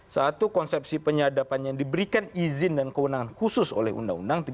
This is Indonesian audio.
satu konsepsi penyadapan yang diberikan izin dan kewenangan khusus oleh undang undang